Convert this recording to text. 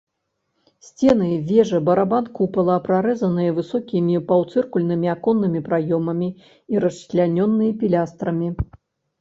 Сцены, вежы, барабан купала прарэзаныя высокімі паўцыркульнымі аконнымі праёмамі і расчлянёныя пілястрамі.